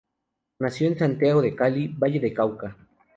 Nació en Santiago de Cali, Valle del Cauca.